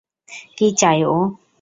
কী চায় ও?